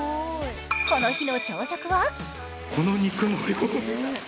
この日の朝食は？